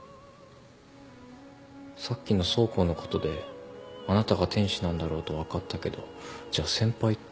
さっきの倉庫のことであなたが天使なんだろうと分かったけどじゃあ先輩って？